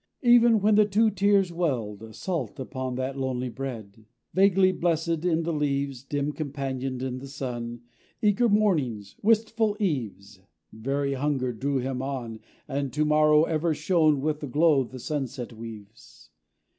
Even when the two tears welled, Salt, upon that lonely bread. Vaguely blessèd in the leaves, Dim companioned in the sun, Eager mornings, wistful eves, Very hunger drew him on; And To morrow ever shone With the glow the sunset weaves.